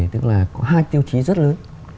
tức là có hai tiêu chí rất lớn